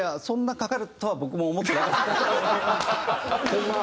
そんなかかるとは僕も思ってなかった。